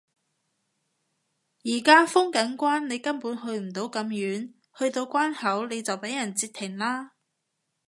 而家封緊關你根本去唔到咁遠，去到關口你就畀人截停啦